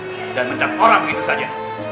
jangan mencap orang begitu saja